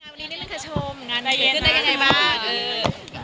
วันนี้นิดนึงค่ะชมงานมาเยอะขึ้นได้ยังไงบ้าง